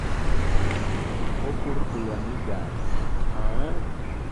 Okurudulwa ni igare.